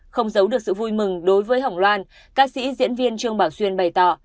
không giấu được sự vui mừng đối với hồng loan ca sĩ diễn viên trương bảo xuyên bày tỏ